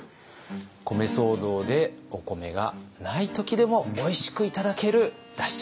米騒動でお米がない時でもおいしくいただけるだし茶漬け。